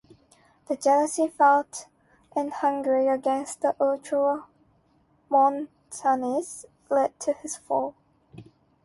The jealousy felt in Hungary against the Ultramontanes led to his fall.